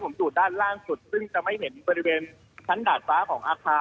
ผมอยู่ด้านล่างสุดซึ่งจะไม่เห็นบริเวณชั้นดาดฟ้าของอาคาร